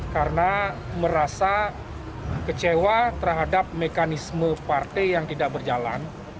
karena merasa kecewa terhadap mekanisme partai yang tidak berjalan